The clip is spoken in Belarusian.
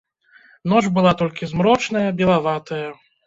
Ноч была толькі змрочная, белаватая.